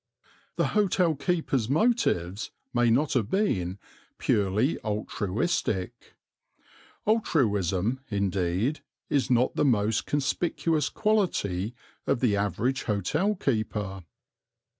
The hotel keeper's motives may not have been purely altruistic; altruism, indeed, is not the most conspicuous quality of the average hotel keeper.